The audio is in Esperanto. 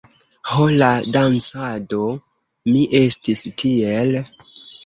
Ho la dancado! Mi estis tiel...